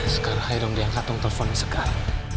sekar ayo dong diangkat tolong telfon ke sekar